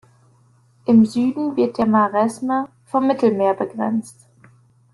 Im Süden wird der Maresme vom Mittelmeer begrenzt.